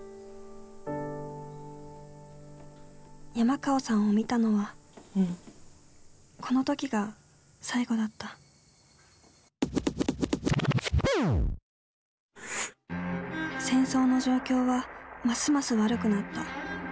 山川さんを見たのはこの時が最後だった戦争の状況はますます悪くなった。